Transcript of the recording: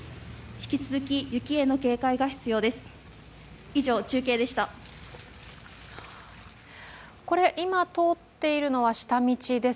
引き続き雪への警戒が必要です。